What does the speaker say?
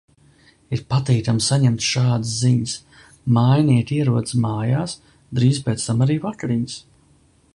Ir patīkami saņemt šādas ziņas. Mājinieki ierodas mājās, drīz pēc tam arī vakariņas.